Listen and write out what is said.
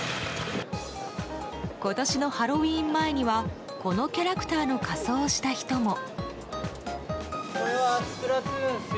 今年のハロウィーン前にはこのキャラクターの仮装をした人も。